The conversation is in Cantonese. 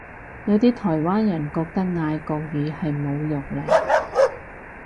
有啲台灣人覺得嗌國語係侮辱嚟